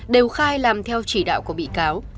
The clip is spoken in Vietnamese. đều khai làm theo chỉ đạo của bị cáo